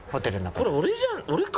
これ俺じゃ俺か？